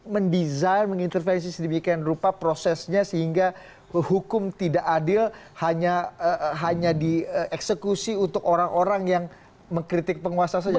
mendesain mengintervensi sedemikian rupa prosesnya sehingga hukum tidak adil hanya dieksekusi untuk orang orang yang mengkritik penguasa saja